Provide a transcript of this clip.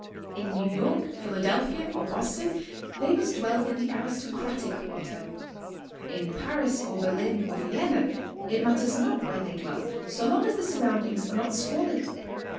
In New York, Philadelphia or Boston they must dwell in the aristocratic quarter; in Paris or Berlin or Vienna it matters not where they dwell, sio long as the surroundings are not squalid.